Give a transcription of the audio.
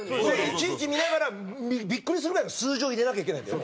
いちいち見ながらビックリするぐらいの数字を入れなきゃいけないんだよ。